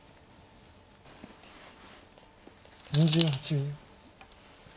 ２８秒。